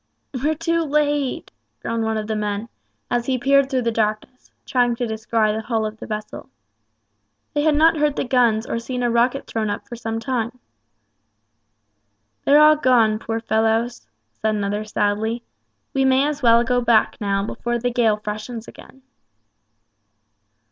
"We're too late," groaned one of the men, as he peered through the darkness, trying to descry the hull of the vessel. They had not heard the guns or seen a rocket thrown up for some time. "They're all gone, poor fellows," said another, sadly; "we may as well go back now, before the gale freshens again."